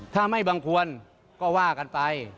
ถ้าไม่บังควรก็ว่ากันไป